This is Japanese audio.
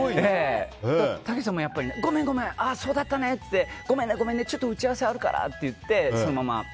たけしさんもごめん、ごめん、そうだったねごめんねごめんねちょっと打ち合わせあるからって言ってそのまま。